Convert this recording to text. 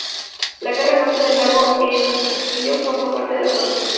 La parte norte del Lago Enriquillo forma parte de la provincia.